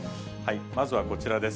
まずはこちらです。